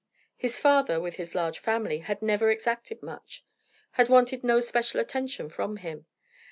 His father, with his large family, had never exacted much, had wanted no special attention from him.